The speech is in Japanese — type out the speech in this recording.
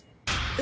え？